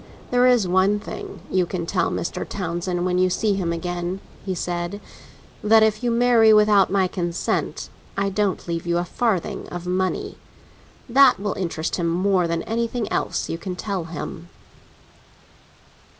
"There is one thing you can tell Mr. Townsend when you see him again," he said: "that if you marry without my consent, I don't leave you a farthing of money. That will interest him more than anything else you can tell him."